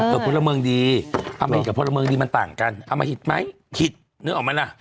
เออพวกเราเมืองดีอันนี้กับพวกเราเมืองดีมันต่างกันเอามาหิดไหมหิดนึกออกไหมนะ